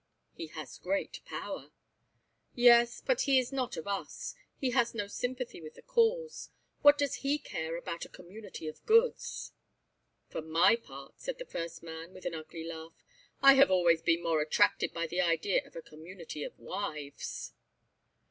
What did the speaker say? "He has great power." "Yes, but he is not of us. He has no sympathy with the cause. What does he care about a community of goods?" "For my part," said the first man with an ugly laugh, "I have always been more attracted by the idea of a community of wives."